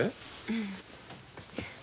うん。